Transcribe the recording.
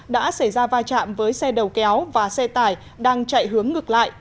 đã xảy ra vai trạm với xe đầu kéo và xe tải đang chạy hướng ngược lại